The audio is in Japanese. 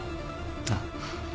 ああ。